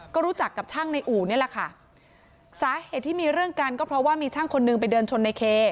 ก็รู้จักกับช่างในอู่นี่แหละค่ะสาเหตุที่มีเรื่องกันก็เพราะว่ามีช่างคนนึงไปเดินชนในเค